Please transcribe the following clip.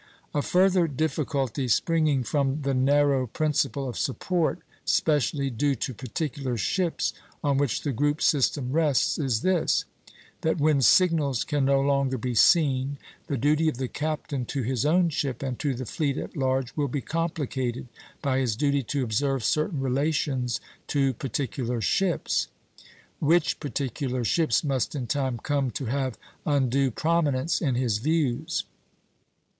A further difficulty springing from the narrow principle of support specially due to particular ships, on which the group system rests, is this: that when signals can no longer be seen, the duty of the captain to his own ship and to the fleet at large will be complicated by his duty to observe certain relations to particular ships; which particular ships must in time come to have undue prominence in his views.